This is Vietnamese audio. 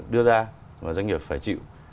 đưa ra và doanh nghiệp phải chịu